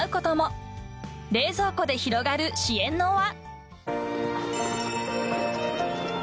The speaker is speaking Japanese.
［冷蔵庫で広がる支援の輪］